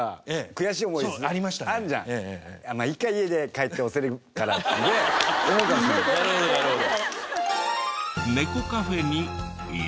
家で帰って押せるからってね思うかもしれない。